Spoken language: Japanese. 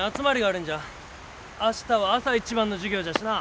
明日は朝一番の授業じゃしな。